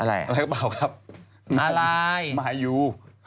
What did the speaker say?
อะไรนะครับอะไรมายู